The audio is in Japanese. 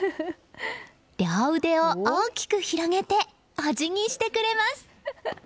両腕を大きく広げてお辞儀してくれます。